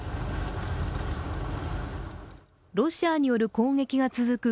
ロシアによる攻撃が続く